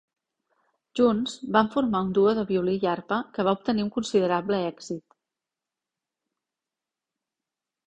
Junts van formar un duo de violí i arpa que va obtenir un considerable èxit.